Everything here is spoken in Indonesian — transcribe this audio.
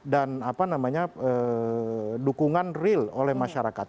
dan apa namanya dukungan real oleh masyarakat